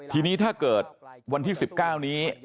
ทีนี้ถ้าเกิดวันที่๑๙นี้